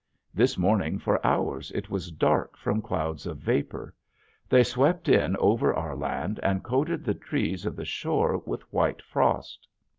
This morning for hours it was dark from clouds of vapor. They swept in over our land and coated the trees of the shore with white frost.